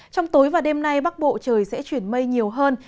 trong tối và đêm nay bắc bộ trời sẽ chuyển mây nhiều hơn